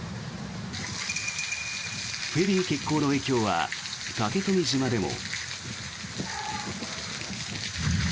フェリー欠航の影響は竹富島でも。